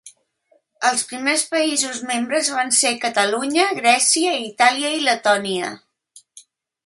Els primers països membres van ser Catalunya, Grècia, Itàlia i Letònia